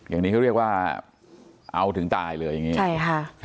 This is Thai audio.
อย่างนี้เรียกว่าเอาถึงตายเลยใช่ค่ะ